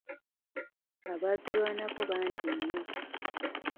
Abaazirwanako bangi nnyo.